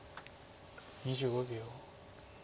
２５秒。